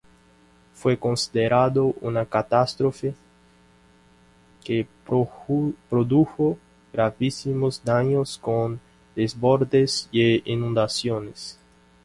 Fue considerado una catástrofe que produjo gravísimos daños, con desbordes e inundaciones.